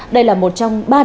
đây là một trong ba đợt tiêm